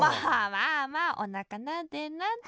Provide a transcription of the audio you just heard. まあまあおなかなでなで。